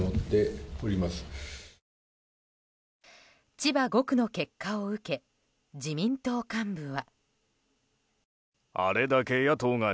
千葉５区の結果を受け自民党幹部は。